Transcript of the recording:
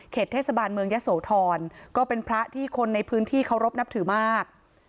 เทศบาลเมืองยะโสธรก็เป็นพระที่คนในพื้นที่เคารพนับถือมาก